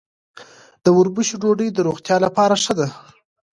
د وربشو ډوډۍ د روغتیا لپاره ښه ده.